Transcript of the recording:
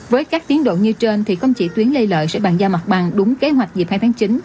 với các tiến độ như trên thì không chỉ tuyến lê lợi sẽ bàn giao mặt bằng đúng kế hoạch dịp hai tháng chín